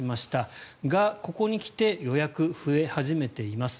ですが、ここに来て予約が増え始めています。